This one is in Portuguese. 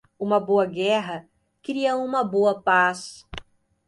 Uma boa guerra cria uma boa paz.